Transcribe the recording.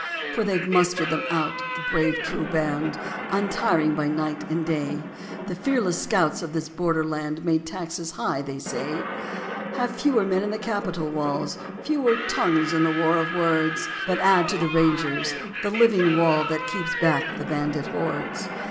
For they've mustered them out, the brave true band, Untiring by night and day. The fearless scouts of this border land Made the taxes high, they say. Have fewer men in the capitol walls, Fewer tongues in the war of words, But add to the Rangers, the living wall That keeps back the bandit hordes.